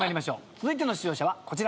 続いての出場者はこちら。